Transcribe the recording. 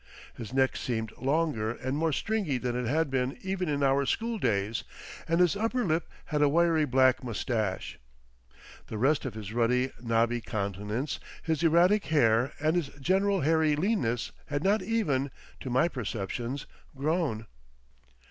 His neck seemed longer and more stringy than it had been even in our schooldays, and his upper lip had a wiry black moustache. The rest of his ruddy, knobby countenance, his erratic hair and his general hairy leanness had not even—to my perceptions grown.